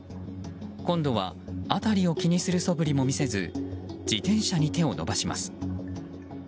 今度は辺りを気にするそぶりも見せず自転車に手を伸ばします。